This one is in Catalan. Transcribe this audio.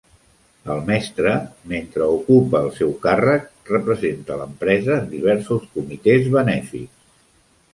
El mestre, mentre ocupa el seu càrrec, representa a l'empresa en diversos comitès benèfics.